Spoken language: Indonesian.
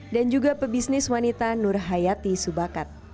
dan juga pebisnis wanita nur hayati subakat